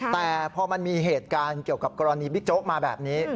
แต่พอมันมีเหตุการณ์เกี่ยวกับกรณีบิ๊กโจ๊กมาแบบนี้